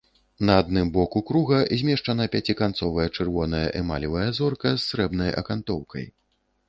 На адным боку круга змешчана пяціканцовая чырвоная эмалевая зорка з срэбнай акантоўкай.